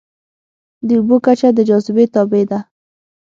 د اوبو کچه د جاذبې تابع ده.